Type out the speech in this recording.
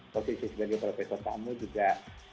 posisi sebagai profesor tamu juga